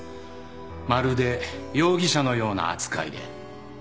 まるで容疑者のような扱いで。